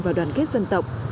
và đoàn kết dân tộc